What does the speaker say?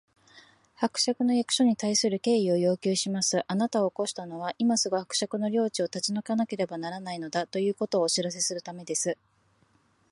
「伯爵の役所に対する敬意を要求します！あなたを起こしたのは、今すぐ伯爵の領地を立ち退かなければならないのだ、ということをお知らせするためです」